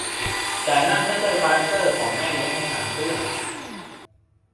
แต่นั่นไม่ใช่คาแรคเตอร์ของแม่เลี้ยงในหนังเรื่อง